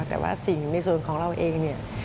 แต่ว่าสิ่งในส่วนของเราเองเนี่ย